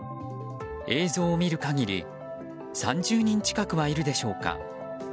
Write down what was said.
映像を見る限り３０人近くはいるでしょうか。